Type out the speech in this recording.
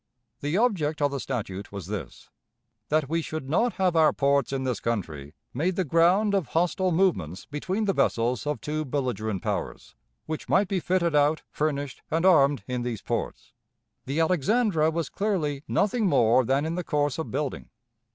The object of the statute was this: that we should not have our ports in this country made the ground of hostile movements between the vessels of two belligerent powers, which might be fitted out, furnished, and armed in these ports. The Alexandra was clearly nothing more than in the course of building.